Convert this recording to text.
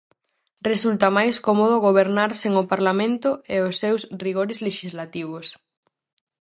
Resulta máis cómodo gobernar sen o Parlamento e os seus rigores lexislativos.